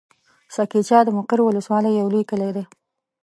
سه کېچه د مقر ولسوالي يو لوی کلی دی.